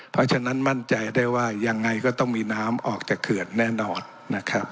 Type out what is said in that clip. เพราะฉะนั้นมั่นใจได้ว่ายังไงก็ต้องมีน้ำออกจากเขื่อนแน่นอนนะครับ